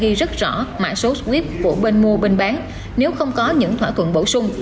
khi rất rõ mạng số swift của bên mua bên bán nếu không có những thỏa thuận bổ sung